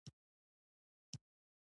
جوجو وخندل، انسان تر هر څه مضر دی.